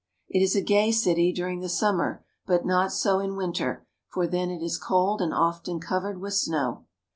It is a gay city during the summer, but not so in winter, for then it is cold, and often covered with snow.